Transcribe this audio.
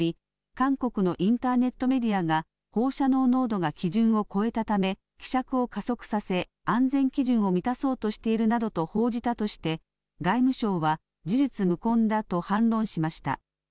韓国のインターネットメディアが放射能濃度が基準を超えたため希釈を加速させ安全基準を満たそうとしているなどと報じたとして外務省は事実無根だと反論しました。